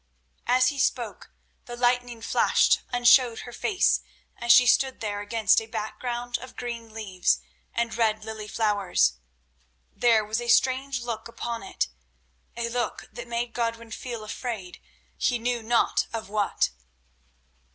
As he spoke the lightning flashed and showed her face as she stood there against a background of green leaves and red lily flowers. There was a strange look upon it—a look that made Godwin feel afraid, he knew not of what.